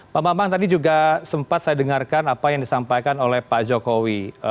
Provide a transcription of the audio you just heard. pak bambang tadi juga sempat saya dengarkan apa yang disampaikan oleh pak jokowi